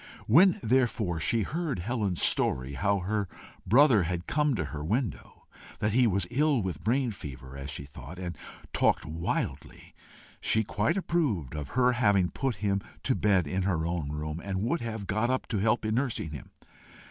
When therefore, she heard Helen's story, how her brother had come to her window, that he was ill with brain fever, as she thought, and talked wildly, she quite approved of her having put him to bed in her own room, and would have got up to help in nursing him.